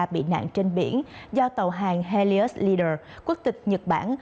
bị nạn trên biển do tàu hàng helios leader quốc tịch nhật bản